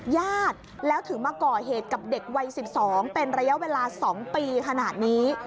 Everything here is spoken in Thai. ญาติแล้วถึงมาก่อเหตุกับเด็กวัย๑๒เป็นระยะเวลา๒ปีขนาดนี้